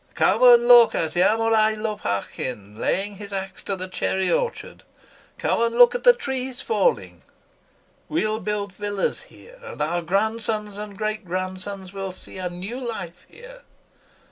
Come and look at Ermolai Lopakhin laying his axe to the cherry orchard, come and look at the trees falling! We'll build villas here, and our grandsons and great grandsons will see a new life here....